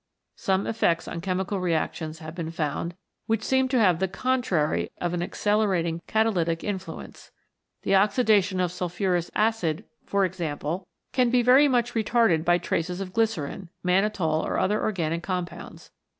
Some effects on chemical reactions have been found which seem to have the contrary of an accelerating catalytic influence. The oxi dation of sulphurous acid, for example, can be 88 CATALYSIS AND THE ENZYMES very much retarded by traces of glycerin, mannitol, or other organic compounds.